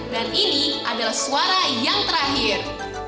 dan ini adalah suara yang terakhir